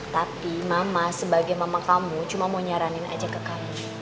tapi mama sebagai mama kamu cuma mau nyaranin aja ke kamu